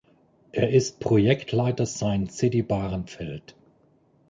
Er ist Projektleiter Science City Bahrenfeld.